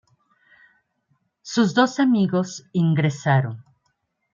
Sus dos amigos ingresaron.